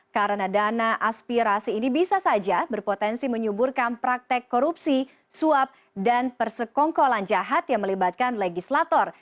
karena dana aspirasi ini bisa saja berpotensi menyuburkan praktek korupsi suap dan persekongkolan jahat yang melibatkan legislator